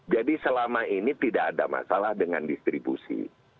jadi selama ini tidak ada masalah dengan distribusi